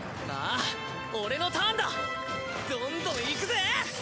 あぁ俺のターンだ！どんどんいくぜ！